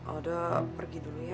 ayo pergi dulu ya